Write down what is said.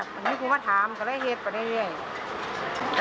มันก็ไม่คุ้มมาถามก็เลยเห็นไปได้เนี่ย